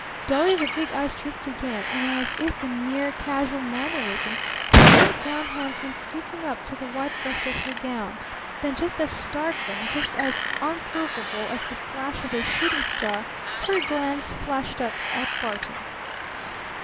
Dully the big eyes drooped again, and as if in mere casual mannerism her little brown hands went creeping up to the white breast of her gown. Then just as startling, just as unprovable as the flash of a shooting star, her glance flashed up at Barton.